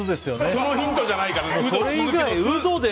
そのヒントじゃないかな。